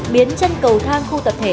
biến chân cầu thang khu tập thể